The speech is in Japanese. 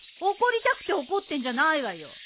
怒りたくて怒ってんじゃないわよ。